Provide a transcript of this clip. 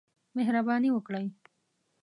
مهرباني وکړئ